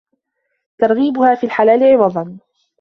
تَرْغِيبُهَا فِي الْحَلَالِ عِوَضًا